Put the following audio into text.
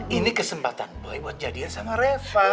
ini kesempatan boy buat jadian sama reva